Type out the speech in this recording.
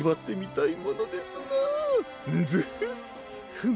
フム。